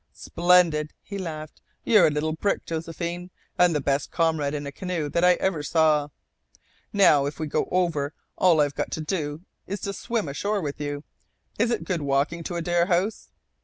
"Splendid!" he laughed. "You're a little brick, Josephine, and the best comrade in a canoe that I ever saw. Now if we go over all I've got to do is to swim ashore with you. Is it good walking to Adare House?"